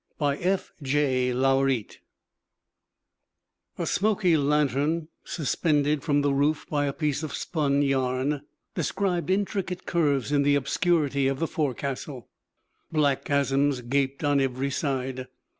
BY F. J. LOURIET A smoky lantern, suspended from the roof by a piece of spun yarn, described intricate curves in the obscurity of the forecastle. Black chasms gaped on every side.